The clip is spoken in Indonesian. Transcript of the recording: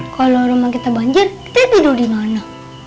kalau rumah kita banjir kita duduk di mana